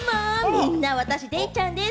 みんな私デイちゃんです。